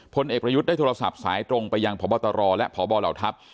พลเอกประยุทธ์ได้โทรศัพท์สายตรงไปยังพบตรและพบเหล่าทัพ